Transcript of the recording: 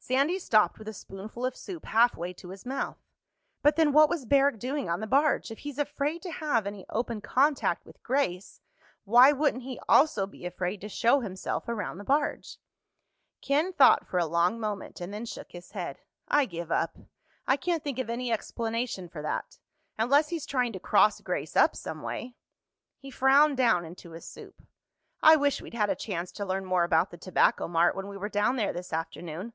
Sandy stopped with a spoonful of soup halfway to his mouth. "But then what was Barrack doing on the barge? If he's afraid to have any open contact with Grace, why wouldn't he also be afraid to show himself around the barge?" Ken thought for a long moment and then shook his head. "I give up. I can't think of any explanation for that—unless he's trying to cross Grace up some way." He frowned down into his soup. "I wish we'd had a chance to learn more about the Tobacco Mart when we were down there this afternoon.